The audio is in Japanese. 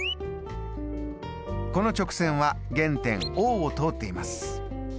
この直線は原点Ｏを通っています。